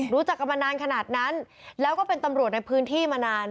รู้จักกันมานานขนาดนั้นแล้วก็เป็นตำรวจในพื้นที่มานาน